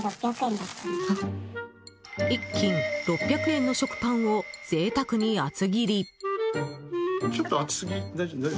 １斤６００円の食パンを贅沢に厚切り。